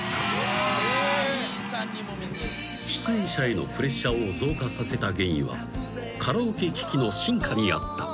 ［出演者へのプレッシャーを増加させた原因はカラオケ機器の進化にあった］